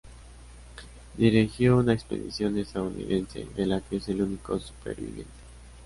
Dirigió una expedición estadounidense, de la que es el único superviviente.